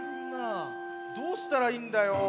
どうしたらいいんだよ。